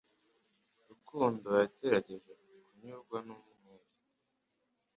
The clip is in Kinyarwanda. Rukundo yagerageje kunyurwa numwere